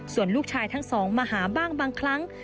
ส่วนลูกชายทั้งสองมาหาบ้างบางครั้ง